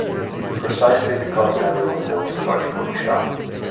Precisely because everyone knows about Photoshop.